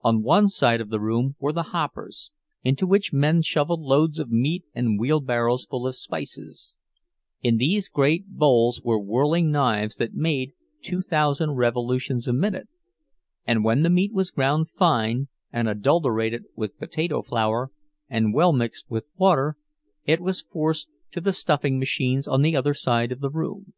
On one side of the room were the hoppers, into which men shoveled loads of meat and wheelbarrows full of spices; in these great bowls were whirling knives that made two thousand revolutions a minute, and when the meat was ground fine and adulterated with potato flour, and well mixed with water, it was forced to the stuffing machines on the other side of the room.